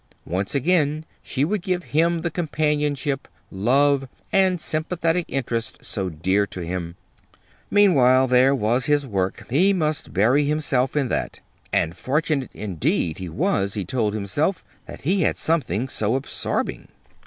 Once again she would give him the companionship, love, and sympathetic interest so dear to him. Meanwhile there was his work. He must bury himself in that. And fortunate, indeed, he was, he told himself, that he had something so absorbing.